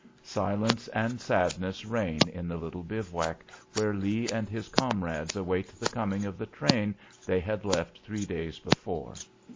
Silence and sadness reign in the little bivouac where Lee and his comrades await the coming of the train they had left three days before.